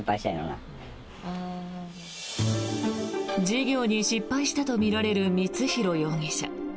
事業に失敗したとみられる光弘容疑者。